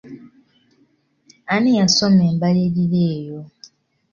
Ani yasoma embalirira eyo?